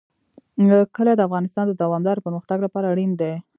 کلي د افغانستان د دوامداره پرمختګ لپاره اړین دي.